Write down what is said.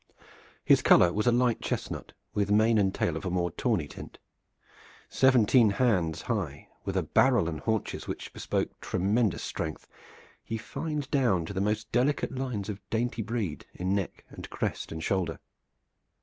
His color was a light chestnut, with mane and tail of a more tawny tint. Seventeen hands high, with a barrel and haunches which bespoke tremendous strength, he fined down to the most delicate lines of dainty breed in neck and crest and shoulder.